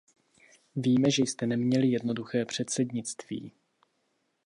Víme, že jste neměli jednoduché předsednictví.